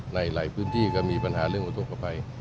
หลายพื้นที่ก็มีปัญหาเรื่องอุทธกภัย